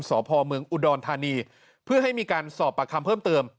สพเมืองอุดรธานีเพื่อให้มีการสอบปากคำเพิ่มเติม